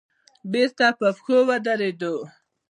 بېرته پر پښو ودرېد.